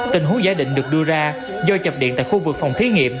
tình huống giải định được đưa ra do chập điện tại khu vực phòng thí nghiệm